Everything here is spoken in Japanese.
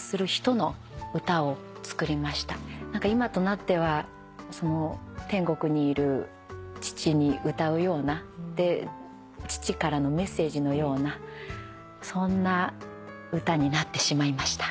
今となっては天国にいる父に歌うような父からのメッセージのようなそんな歌になってしまいました。